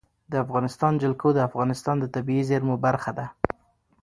د افغانستان جلکو د افغانستان د طبیعي زیرمو برخه ده.